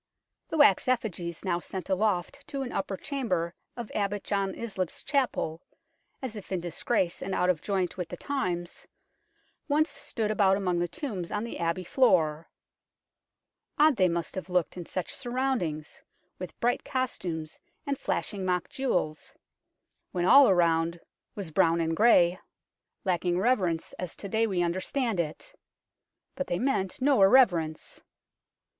The wax effigies, now sent aloft to an upper chamber of Abbot John Islip's Chapel, as if in disgrace and out of joint with the times, once stood about among the tombs on the Abbey floor. Odd they must have looked in such surroundings, with bright costumes and flashing mock jewels when all around was brown and N 194 UNKNOWN LONDON grey, lacking reverence as to day we understand it ; but they meant no irreverence.